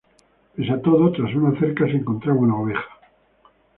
Pese a todo, tras una cerca se encontraba una oveja.